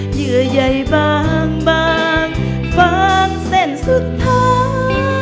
เหยื่อใหญ่บางฟางเส้นสุดท้าย